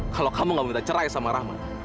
kalau kamu gak boleh cerai sama rahmat